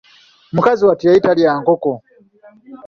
Mukazi wattu yali talya nkoko.